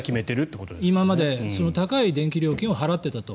今まで高い電気料金を払っていたと。